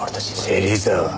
芹沢！